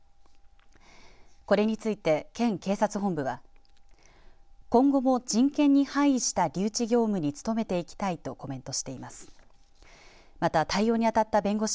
これについて県警察本部は今後も人権に配意した留置業務に努めていきたいとコメントしています。